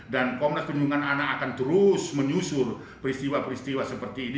dan komnas perlindungan anak akan terus menyusur peristiwa peristiwa seperti ini